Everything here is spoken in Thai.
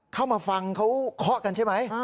เข้ามาฟังเขาเคาะกันใช่ไหม